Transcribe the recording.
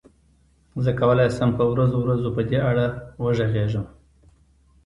زه کولای شم په ورځو ورځو په دې اړه وغږېږم.